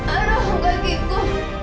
aduh enggak gitu